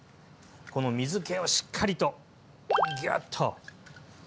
この水けをしっかりとギュッと！